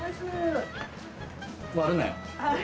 割るなよ。